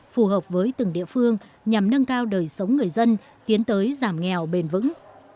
phù hợp với từng địa phương nhằm nâng cao đời sống người dân tiến tới giảm nghèo bền vững